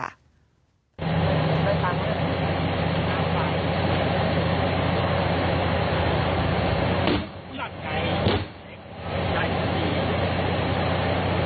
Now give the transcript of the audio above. หลักไกล